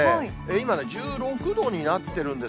今ね、１６度になってるんです。